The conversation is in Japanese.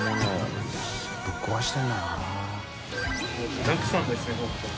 具だくさんですね本当。